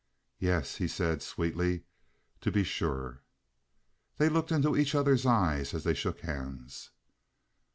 "Yes," he said, sweetly, "to be sure." They looked into each other's eyes as they shook hands.